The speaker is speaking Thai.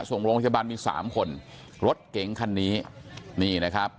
ส่งโรงพยาบาลมีสามคนรถเก๋งคันนี้นี่นะครับ